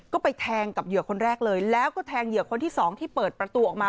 ก็ไปแทงกับเหยื่อคนแรกเลยแล้วก็แทงเหยื่อคนที่สองที่เปิดประตูออกมา